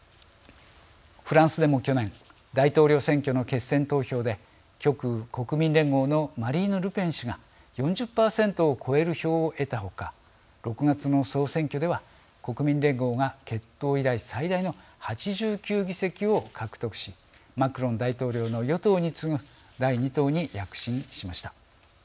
フランスでも、去年大統領選挙の決選投票で極右・国民連合のマリーヌ・ルペン氏が４０％を超える票を得た他６月の総選挙では国民連合が結党以来最大の８９議席を獲得しマクロン大統領の与党に次ぐ第２党に躍進しました。